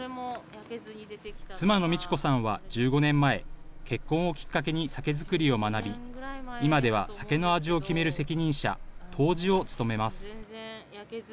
妻の美智子さんは１５年前、結婚をきっかけに酒造りを学び、今では酒の味を決める責任者、杜氏を務めます。